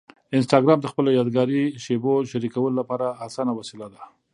انسټاګرام د خپلو یادګاري شېبو شریکولو لپاره اسانه وسیله ده.